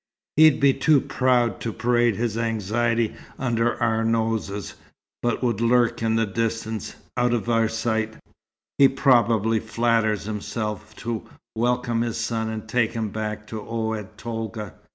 He'd be too proud to parade his anxiety under our noses, but would lurk in the distance, out of our sight, he probably flatters himself, to welcome his son, and take him back to Oued Tolga.